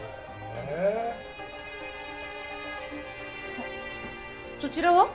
あっそちらは？